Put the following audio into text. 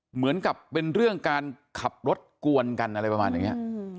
เหมือนกับเป็นเรื่องการขับรถกวนกันอะไรประมาณอย่างนี้